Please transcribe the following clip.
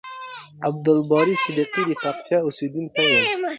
عبدالباری صدیقی د پکتیکا اوسیدونکی یم.